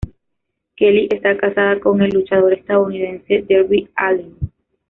Kelly está casada con el luchador estadounidense Darby Allin.